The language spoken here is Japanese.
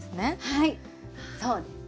はいそうですね。